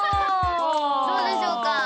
どうでしょうか。